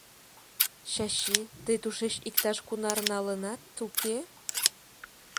— Чачи, тый тушеч иктаж-кунар налынат, уке?